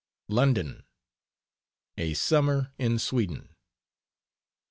LONDON. A SUMMER IN SWEDEN.